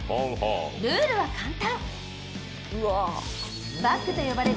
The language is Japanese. ルールは簡単。